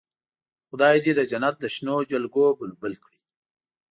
خدای دې د جنت د شنو جلګو بلبل کړي.